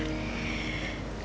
mama coba telepon rumahnya